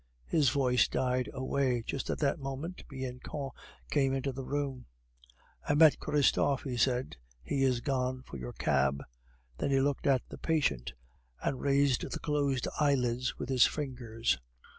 His voice died away. Just at that moment Bianchon came into the room. "I met Christophe," he said; "he is gone for your cab." Then he looked at the patient, and raised the closed eyelids with his fingers.